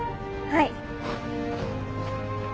はい！